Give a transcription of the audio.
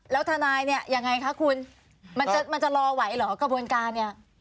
แล้วทนายเนี่ยยังไงคะคุณมันจะรอไหวเหรอกระบวนการเนี่ย